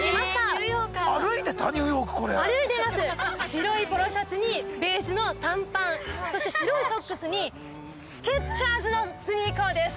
白いポロシャツにベージュの短パンそして白いソックスにスケッチャーズのスニーカーです。